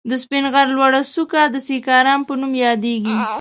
د سپين غر لوړه څکه د سيکارام په نوم ياديږي.